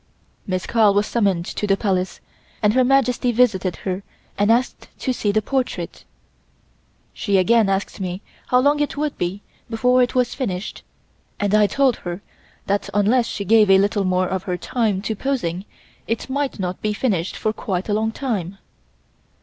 Miss Carl was summoned to the Palace, and Her Majesty visited her and asked to see the portrait. She again asked me how long it would be before it was finished, and I told her that unless she gave a little more of her time to posing it might not be finished for quite a long time.